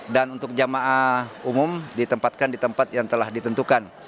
dan untuk jemaah umum ditempatkan di tempat yang telah ditentukan